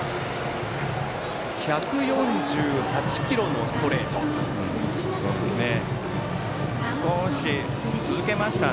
１４８キロのストレートでした。